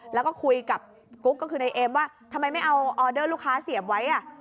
แล้วก็คุยกับกุ๊กก็คือนายเอ็มว่าทำไมไม่เอาออเดอร์ลูกค้าเสียบไว้